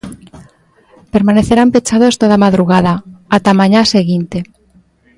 Permanecerán pechados toda a madrugada, ata a mañá seguinte.